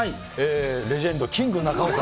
レジェンド、キング中岡。